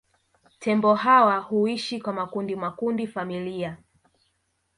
Tembo hawa huishi kwa makundi makundi familia